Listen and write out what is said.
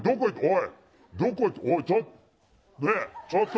おい。